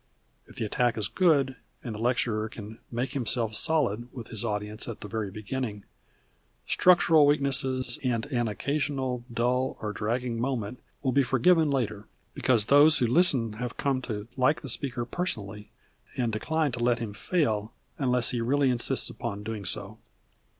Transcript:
If the attack is good, and the lecturer can "make himself solid" with his audience at the very beginning, structural weaknesses and an occasional dull or dragging moment will be forgiven later, because those who listen have come to like the speaker personally, and decline to let him fail unless he really insists upon doing so.